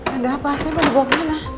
ada apa saya mau dibawa ke mana